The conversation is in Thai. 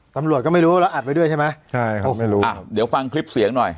ตำรวจก็ไม่รู้แล้วอัดไว้ด้วยใช่ไหมใช่ครับไม่รู้อ่าเดี๋ยวฟังคลิปเสียงหน่อย